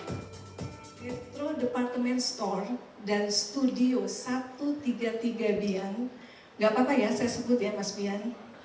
direktur departemen store dan studio satu ratus tiga puluh tiga bian nggak apa apa ya saya sebut ya mas bian